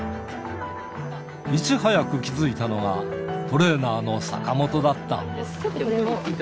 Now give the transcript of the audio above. いち早く気付いたのが、トレーナーの坂本だった。